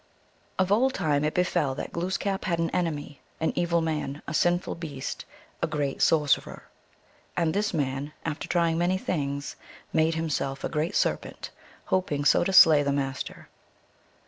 Of old time it befell that Glooskap had an enemy, an evil man, a sinful beast, a great sorcerer. And this man, after trying many things, made himself a great serpent, hoping so to slay the Master.